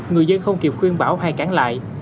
người dân không kịp khuyên bảo hay cản lại